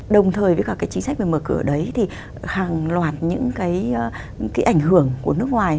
đồng thời với cả cái chính sách về mở cửa đấy thì hàng loạt những cái ảnh hưởng của nước ngoài